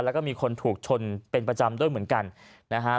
แล้วก็มีคนถูกชนเป็นประจำด้วยเหมือนกันนะฮะ